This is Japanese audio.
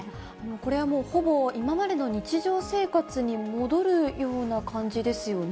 これはもうほぼ、今までの日常生活に戻るような感じですよね。